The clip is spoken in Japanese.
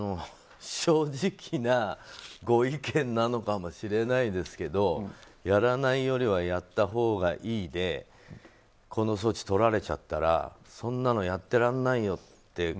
正直なご意見なのかもしれないですけどやらないよりはやったほうがいいでこの措置取られちゃったらそんなのやってられないよって